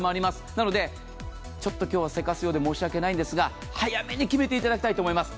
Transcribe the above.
なのでちょっと今日は急かすようで申し訳ないんですが早めに決めていただきたいと思います。